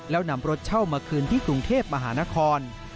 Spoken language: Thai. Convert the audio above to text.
แล้วนำรถเช่ามาคืนที่กรุงเทพมหานคร